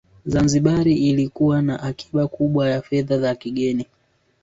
Zanzibar ilikuwa na akiba kubwa ya fedha za kigeni